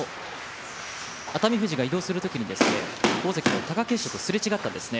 熱海富士が移動する時に大関貴景勝とすれ違いました。